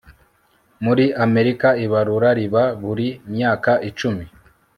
muri amerika, ibarura riba buri myaka icumi